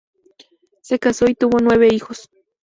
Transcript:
Se casó y tuvo nueve hijos.